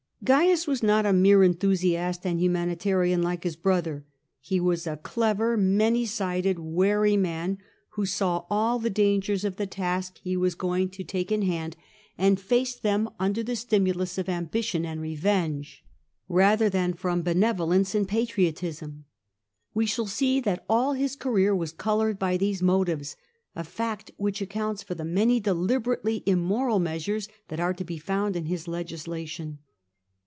Caius was not a mere enthusiast and humanitarian like his brother : he was a clever, many sided, wary man, who saw all the dangers of the task he was going to take 54 CAIUS GKACCHUS in hand, and faced them, under the stimnlns of ambition and revenge, rather than from benevolence and patriotism. We shall see that all his career was coloured by these motives, a fact which accounts for the many deliberately immoral measures that are to be found in his legislation.